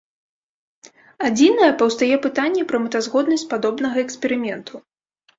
Адзінае, паўстае пытанне пра мэтазгоднасць падобнага эксперыменту.